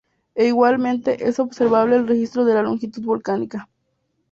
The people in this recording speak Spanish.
E igualmente es observable el registro de la longitud vocálica.